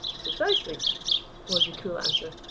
"Precisely," was the cool answer.